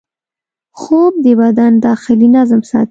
خوب د بدن داخلي نظم ساتي